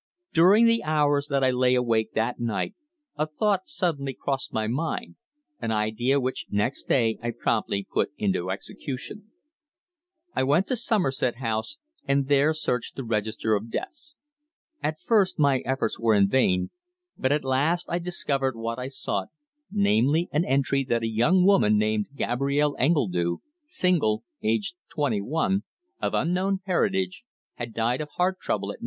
During the hours that I lay awake that night a thought suddenly crossed my mind an idea which next day I promptly put into execution. I went to Somerset House, and there searched the register of deaths. At first my efforts were in vain, but at last I discovered what I sought, namely an entry that a young woman named Gabrielle Engledue, single, aged twenty one, of unknown parentage, had died of heart trouble at No.